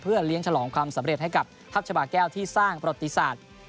เลี้ยงฉลองความสำเร็จให้กับทัพชาบาแก้วที่สร้างประติศาสตร์